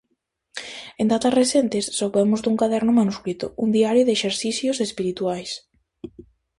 En datas recentes, soubemos dun caderno manuscrito, un Diario de Exercicios Espirituais.